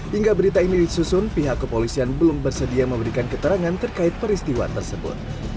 hingga berita ini disusun pihak kepolisian belum bersedia memberikan keterangan terkait peristiwa tersebut